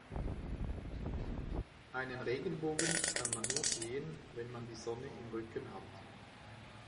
Einen Regenbogen kann man nur sehen, wenn man die Sonne im Rücken hat.